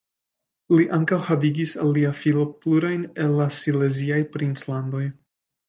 Li ankaŭ havigis al la filo plurajn el la sileziaj princlandoj.